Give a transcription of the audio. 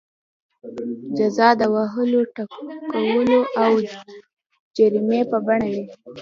جزا د وهلو ټکولو او جریمې په بڼه وي.